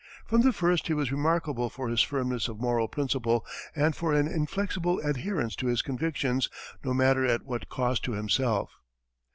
From the first he was remarkable for his firmness of moral principle and for an inflexible adherence to his convictions, no matter at what cost to himself.